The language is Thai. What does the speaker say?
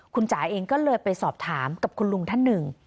คุณจ๋าเองก็เลยไปสอบถามกับคุณลุงท่านหนึ่ง